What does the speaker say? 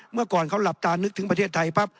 เมื่อก่อนเขาหลับตานึกถึงประเทศไทยปั๊บ